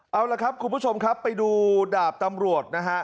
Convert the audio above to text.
เอาละครับคุณผู้ชมครับไปดูดาบตำรวจนะฮะ